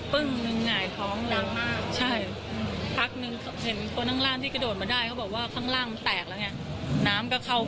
พูดสิทธิ์ข่าวธรรมดาทีวีรายงานสดจากโรงพยาบาลพระนครศรีอยุธยาครับ